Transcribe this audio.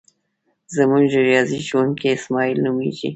زمونږ د ریاضی ښوونکی اسماعیل نومیږي.